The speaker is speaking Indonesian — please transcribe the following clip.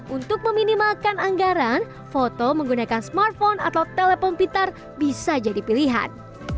untuk meminimalkan anggaran foto menggunakan smartphone atau telepon pintar bisa jadi pilihan